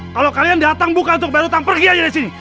kalau kalian datang bukan untuk bayar hutang pergi aja dari sini